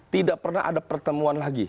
tidak pernah ada pertemuan lagi